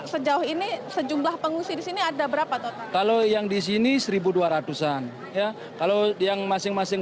sejauh ini sejumlah pengusir sini ada berapa kalau yang disini seribu dua ratus an ya kalau yang masing masing